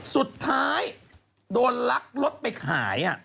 สุดท้ายโดนลักรถไปขาย